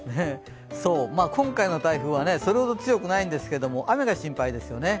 今回の台風は、それほど強くないんですけれども、雨が心配ですよね。